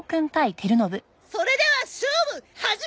それでは勝負始め！